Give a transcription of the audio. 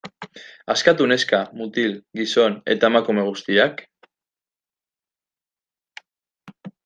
Askatu neska, mutil, gizon eta emakume guztiak?